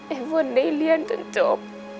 ไอ้ฝนได้เรียนจนจบ